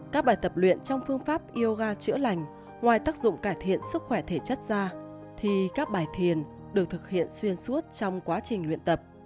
các bài tập luyện trong phương pháp yoga chữa lành ngoài tác dụng cải thiện sức khỏe thể chất da thì các bài thiền được thực hiện xuyên suốt trong quá trình luyện tập